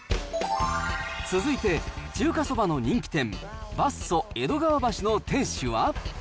続いて、中華そばの人気店、バッソ江戸川橋の店主は。